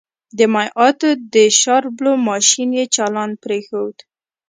د مايعاتو د شاربلو ماشين يې چالان پرېښود.